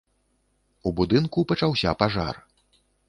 У будынку пачаўся пажар.